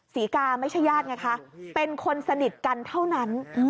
ศรีกาไม่ใช่ญาติไงคะเป็นคนสนิทกันเท่านั้น